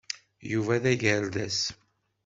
Yuba d agerdes.